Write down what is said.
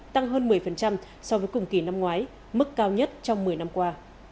tăng hơn một mươi so với cùng kỳ năm ngoái mức cao nhất trong một mươi năm qua